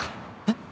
えっ？